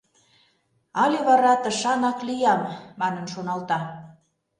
«Але вара тышанак лиям?» — манын шоналта.